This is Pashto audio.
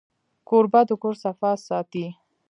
کوربه د کور صفا ساتي.